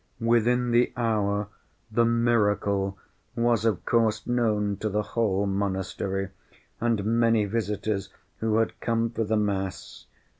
Within the hour the "miracle" was of course known to the whole monastery, and many visitors who had come for the mass.